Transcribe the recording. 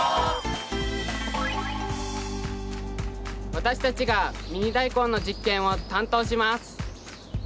私たちがミニダイコンの実験を担当します。